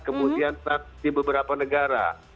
kemudian di beberapa negara